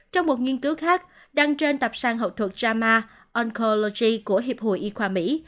trong một nghiên cứu khác đăng trên tập sang học thuật jama oncology của hiệp hội y khoa mỹ